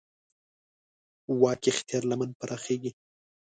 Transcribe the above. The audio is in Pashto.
واک اختیار لمن پراخېږي.